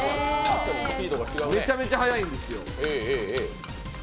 めちゃめちゃ速いんですよ。